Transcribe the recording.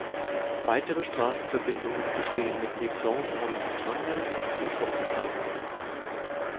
Weitere Straßenverbindungen bestehen mit Les Planches-en-Montagne und Fort-du-Plasne.